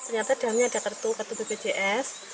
ini ada kartu kartu bpjs